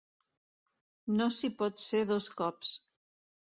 No s'hi pot ser dos cops.